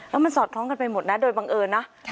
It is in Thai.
แล้วมันสอดคล้องกันไปหมดนะโดยบังเอิญนะ